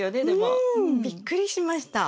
うん！びっくりしました。